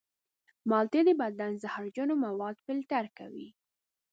مالټې د بدن زهرجن مواد فلتر کوي.